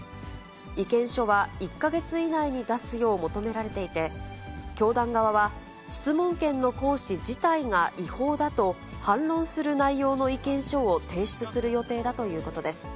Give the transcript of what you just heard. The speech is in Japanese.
意見書は１か月以内に出すよう求められていて、教団側は、質問権の行使自体が違法だと、反論する内容の意見書を提出する予定だということです。